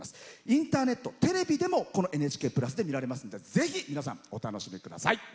インターネット、テレビでもこの「ＮＨＫプラス」で見られますのでぜひ皆さん、お楽しみください。